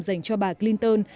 dành cho bà clinton